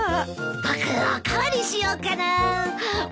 僕お代わりしようかなぁ。